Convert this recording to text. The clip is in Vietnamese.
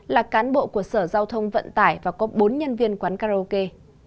là cán bộ của sở giao thông vận tải và có bốn nhân viên quán karaoke